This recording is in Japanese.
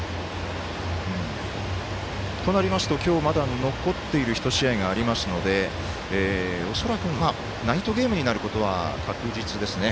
となりますと今日残っている１試合がありますので恐らくナイトゲームになることは確実ですね。